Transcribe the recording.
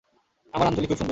আমার আঞ্জলি খুব সুন্দর।